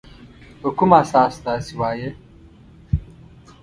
په کوم اساس داسي وایې ؟